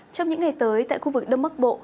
trong những ngày tới tại khu vực đông bắc bộ